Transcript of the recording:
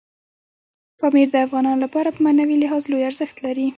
پامیر د افغانانو لپاره په معنوي لحاظ لوی ارزښت لري.